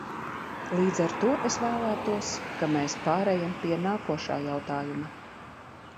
Līdz ar to es vēlētos, ka mēs pārejam pie nākošā jautājuma.